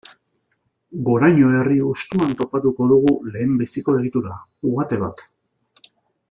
Goraño herri hustuan topatuko dugu lehenbiziko egitura, uhate bat.